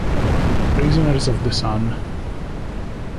Prisoners of the Sun